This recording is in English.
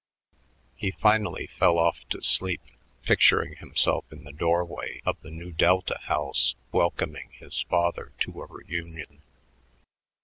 He finally fell off to sleep, picturing himself in the doorway of the Nu Delta house welcoming his father to a reunion.